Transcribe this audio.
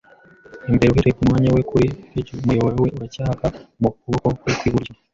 imbere uhereye kumwanya we kuri keg, umuyoboro we uracyaka mu kuboko kwe kw'iburyo.